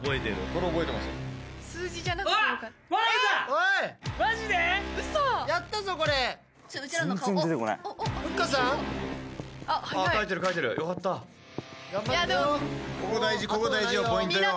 ここ大事よポイントよ